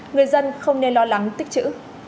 người dân không nên lo lắng tích chữ